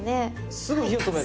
すぐ火を止める。